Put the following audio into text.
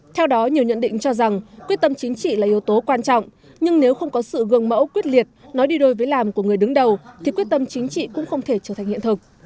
theo đó nhiều nhận định cho rằng quyết tâm chính trị là yếu tố quan trọng nhưng nếu không có sự gương mẫu quyết liệt nói đi đôi với làm của người đứng đầu thì quyết tâm chính trị cũng không thể trở thành hiện thực